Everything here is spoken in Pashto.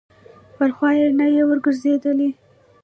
پر خوا یې نه یې ورګرځېدل.